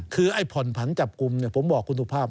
คือไอ้ผ่อนผันจับกลุ่มเนี่ยผมบอกคุณสุภาพ